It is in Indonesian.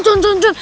asun asun asun